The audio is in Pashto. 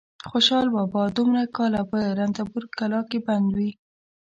خوشحال بابا دومره کاله په رنتبور کلا کې بندي و.